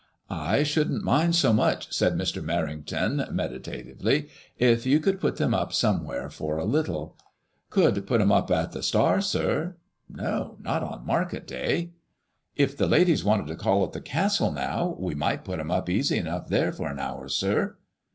" I shouldn't mind so much.'' MAD£MOIS£LL£ IXE. II3 said Mr. Merrington, medi tatively, "if you could put them up somewhere for a little/' "Could put 'em up at the • Star/ sir/' "No, not on market day." " If the ladies wanted to call at the castle now, we might put 'em up easy enough there for an hour, sir."